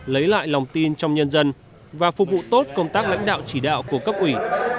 lấy lại lòng tin trong nhân dân và phục vụ tốt công tác lãnh đạo chỉ đạo của cấp ủy